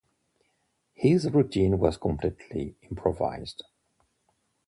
His routine was completely improvised.